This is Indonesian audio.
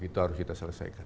itu harus kita selesaikan